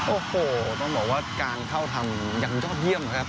โอ้โหต้องบอกว่าการเข้าทำยังยอดเยี่ยมนะครับ